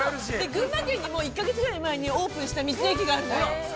◆群馬県にも、１か月ぐらい前にオープンした道の駅があるのよ。